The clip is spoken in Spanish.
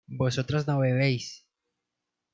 vosotras no bebéis